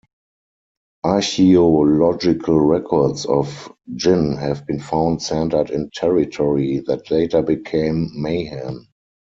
Archeological records of Jin have been found centered in territory that later became Mahan.